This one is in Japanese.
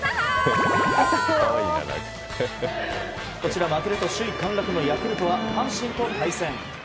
こちら負けると首位陥落のヤクルトは阪神と対戦。